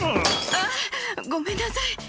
あっ、ごめんなさい。